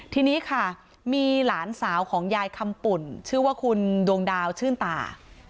ทีนี้ค่ะมีหลานสาวของยายคำปุ่นชื่อว่าคุณดวงดาวชื่นตา